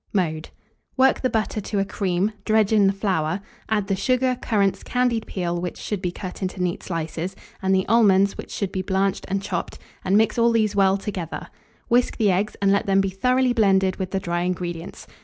Mode. Work the butter to a cream; dredge in the flour; add the sugar, currants, candied peel, which should be cut into neat slices, and the almonds, which should be blanched and chopped, and mix all these well together; whisk the eggs, and let them be thoroughly blended with the dry ingredients.